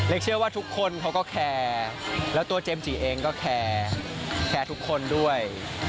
เชื่อว่าทุกคนเขาก็แคร์แล้วตัวเจมส์จีเองก็แคร์แคร์ทุกคนด้วย